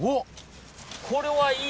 これはいい！